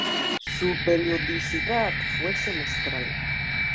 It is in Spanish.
Su periodicidad fue semestral.